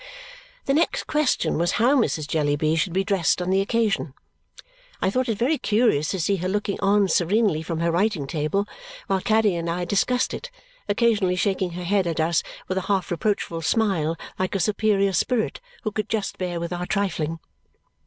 The next question was how Mrs. Jellyby should be dressed on the occasion. I thought it very curious to see her looking on serenely from her writing table while Caddy and I discussed it, occasionally shaking her head at us with a half reproachful smile like a superior spirit who could just bear with our trifling.